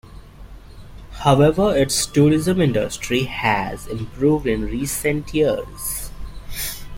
However, its tourism industry has improved in recent years.